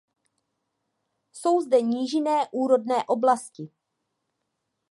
Jsou zde nížinné úrodné oblasti.